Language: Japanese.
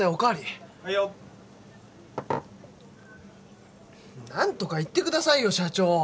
はいよ。何とか言ってくださいよ社長。